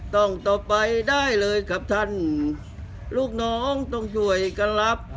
ต่อไปได้เลยครับท่านลูกน้องต้องช่วยกันรับ